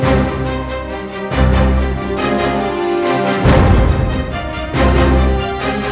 tangkap perempuan ini